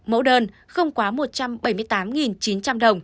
mẫu đơn không quá một trăm bảy mươi tám chín trăm linh đồng